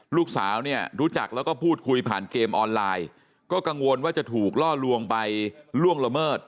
ลูกสาวเนี่ยรู้จักแล้วก็พูดคุยผ่านเกมออนไลน์ก็กังวลว่าจะถูกล่อลวงไปล่วงละเมิด